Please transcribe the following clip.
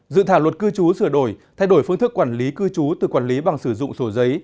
dự thảo luật cư trú sửa đổi thay đổi phương thức quản lý cư trú từ quản lý bằng sử dụng sổ giấy